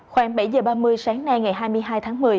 khoảng bảy giờ ba mươi sáng nay ngày hai mươi hai tháng một mươi